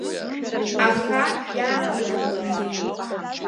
Аха иаамҭамызт.